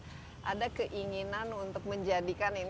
selepai sebelum bertemuan coverage primer lestsail